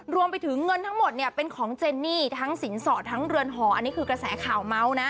รวมไปถึงเงินทั้งหมดเนี่ยเป็นของเจนนี่ทั้งสินสอดทั้งเรือนหออันนี้คือกระแสข่าวเมาส์นะ